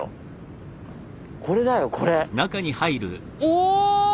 これだよこれ。